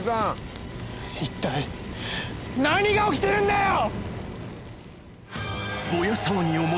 一体何が起きてるんだよ！